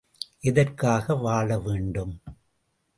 எதற்காக வாழ வேண்டும்?